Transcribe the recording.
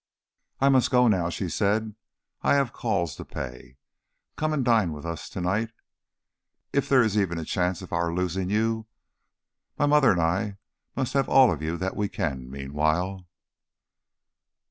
"I must go now," she said. "I have calls to pay. Come and dine with us to night. If there is even a chance of our losing you, my mother and I must have all of you that we can, meanwhile."